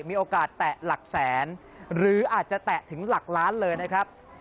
มีโอกาสแตะหลักแสนหรืออาจจะแตะถึงหลักล้านเลยนะครับ